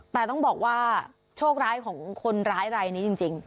แต่ต้องบอกว่าโชคร้ายของคนร้ายรายนี้จริง